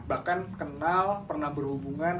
bahkan kenal pernah berhubungan